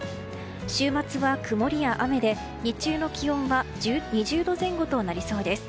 週末は曇りや雨で、日中の気温は２０度前後となりそうです。